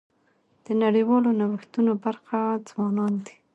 د نړیوالو نوښتونو برخه ځوانان دي.